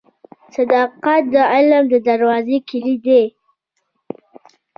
• صداقت د علم د دروازې کلید دی.